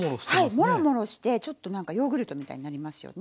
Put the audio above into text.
もろもろしてちょっと何かヨーグルトみたいになりますよね。